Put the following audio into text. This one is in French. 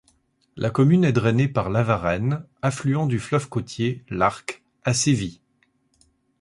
La commune est drainée par la Varenne, affluent du fleuve côtier, l'Arques, à Sévis.